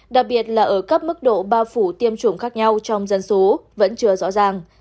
đặc biệt là ở các mức độ bao phủ tiêm chủng khác nhau trong dân số vẫn chưa rõ ràng